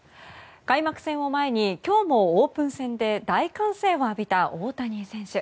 開幕戦を前に今日もオープン戦で大歓声を浴びた大谷選手。